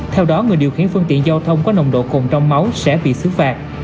theo đó người điều khiển phương tiện giao thông có nồng độ cồn trong máu sẽ bị xứ phạt